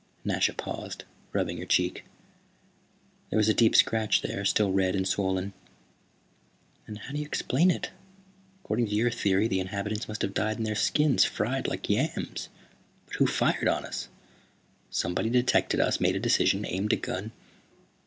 Nasha paused, rubbing her cheek. There was a deep scratch there, still red and swollen. "Then how do you explain it? According to your theory the inhabitants must have died in their skins, fried like yams. But who fired on us? Somebody detected us, made a decision, aimed a gun."